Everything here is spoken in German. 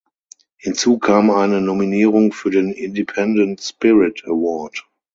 Hinzu kam eine Nominierung für den Independent Spirit Award.